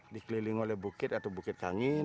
dikelilingi oleh bukit atau bukit kangen